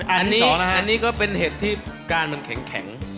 อันนี้ก็เป็นเห็ดที่การมันแข็ง